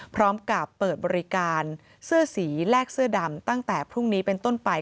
พร้อมกับเปิดบริการเสื้อสีแลกเสื้อดำตั้งแต่พรุ่งนี้เป็นต้นไป